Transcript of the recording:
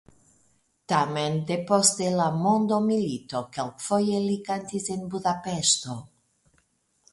Tamen depost la mondomilito kelkfoje li kantis en Budapeŝto.